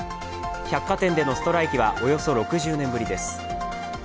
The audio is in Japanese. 百貨店でのストライキはおよそ６０年ぶりです。